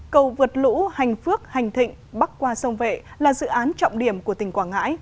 cầu vượt lũ hành phước hành thịnh bắc qua sông vệ là dự án trọng điểm của tỉnh quảng ngãi